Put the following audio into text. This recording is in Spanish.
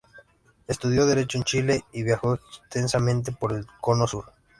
Estudió Derecho en Chile y viajó extensamente por el Cono Sur.